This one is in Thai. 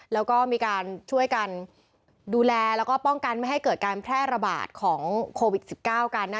แล้วก็มีการช่วยกันดูแลแล้วก็ป้องกันไม่ให้เกิดการแพร่ระบาดของโควิด๑๙กันนะ